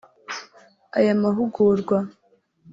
Aya mahugurwa